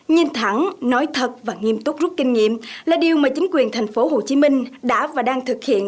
nhìn thẳng nói thật và nghiêm túc rút kinh nghiệm là điều mà chính quyền thành phố hồ chí minh đã và đang thực hiện